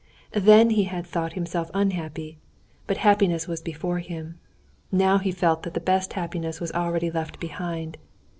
Then he had thought himself unhappy, but happiness was before him; now he felt that the best happiness was already left behind.